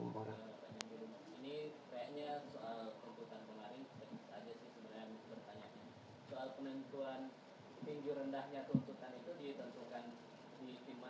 itu yang pertama